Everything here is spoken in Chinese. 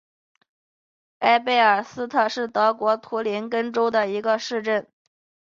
埃贝尔斯特是德国图林根州的一个市镇。